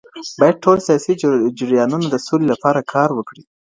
بايد ټول سياسي جريانونه د سولې لپاره کار وکړي.